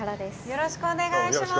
よろしくお願いします。